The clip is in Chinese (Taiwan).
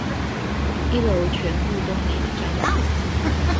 一樓全部都沒一張椅子